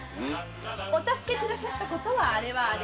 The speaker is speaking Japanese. お助けくださったことはあれはあれ。